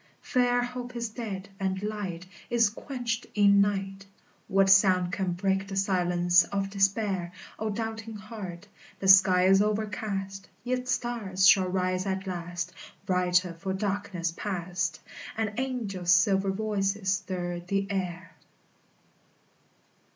Fair hope is dead, and light Is quenched in night; What sound can break the silence of despair? O doubting heart! The sky is overcast, Yet stars shall rise at last, Brighter for darkness past; And angels' silver voices stir the air.